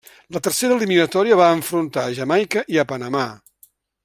La tercera eliminatòria va enfrontar a Jamaica i a Panamà.